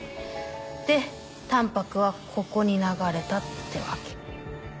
でタンパクはここに流れたってわけ。